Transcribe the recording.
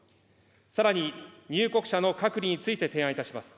さらに入国者の隔離について提案いたします。